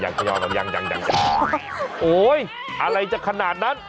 ยังโอ๊ยอะไรจากขนาดนั้น